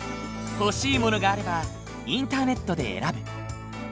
欲しいものがあればインターネットで選ぶ。